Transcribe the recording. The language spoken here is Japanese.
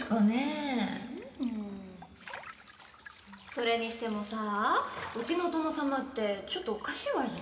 それにしてもさうちの殿様ってちょっとおかしいわよね。